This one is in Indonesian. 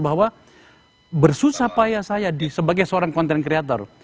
bahwa bersusah payah saya sebagai seorang content creator